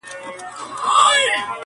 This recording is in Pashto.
ښاخ پر ښاخ باندي پټېږي کور یې ورک دی،